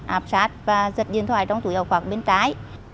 ạp sát và giật điện thoại trong tủ yếu khoảng bên trái